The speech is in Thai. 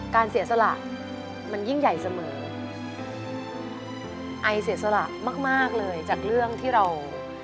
เสียสละมันยิ่งใหญ่เสมอไอเสียสละมากมากเลยจากเรื่องที่เรา